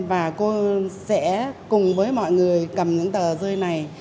và cô sẽ cùng với mọi người cầm những tờ rơi này